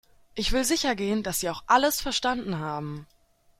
Ich will sicher gehen, dass Sie auch alles verstanden haben.